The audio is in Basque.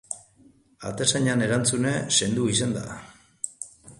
Atezainaren erantzuna sendoa izan da.